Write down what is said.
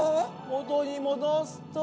元に戻すと。